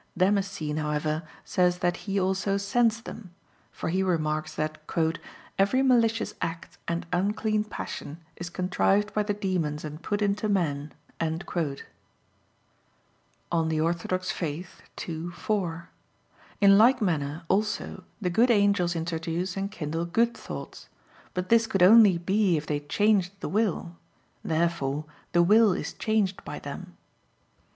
Damascene, however, says that he also sends them; for he remarks that "every malicious act and unclean passion is contrived by the demons and put into men" (De Fide Orth. ii, 4); in like manner also the good angels introduce and kindle good thoughts. But this could only be if they changed the will. Therefore the will is changed by them.